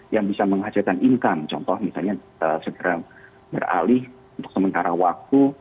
yang bisa menghasilkan income contoh misalnya segera beralih untuk sementara waktu